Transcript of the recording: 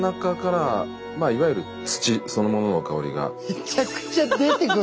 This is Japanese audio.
めちゃくちゃ出てくるんすね。